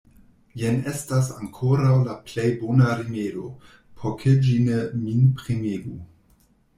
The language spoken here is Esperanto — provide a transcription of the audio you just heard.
Jen estas ankoraŭ la plej bona rimedo, por ke ĝi ne min premegu.